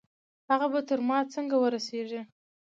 هغه به تر ما څنګه ورسېږي؟